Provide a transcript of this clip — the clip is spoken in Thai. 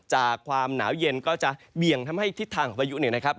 จากความหนาวเย็นก็จะเบี่ยงทำให้ทิศทางของพายุ